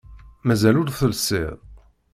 Mazal ur telsiḍ?